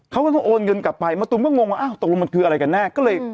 เขาก็ต้องโอนเงินกลับไปมะตูมก็งงว่าอ้าวตกลงมันคืออะไรกันแน่ก็เลย